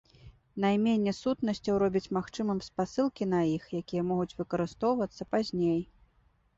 Найменне сутнасцяў робіць магчымым спасылкі на іх, якія могуць выкарыстоўвацца пазней.